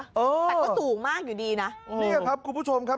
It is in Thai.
แต่ก็สูงมากอยู่ดีนะเนี่ยครับคุณผู้ชมครับ